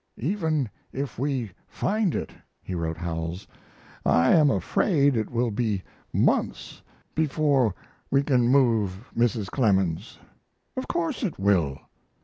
"Even if we find it," he wrote Howells, "I am afraid it will be months before we can move Mrs. Clemens. Of course it will.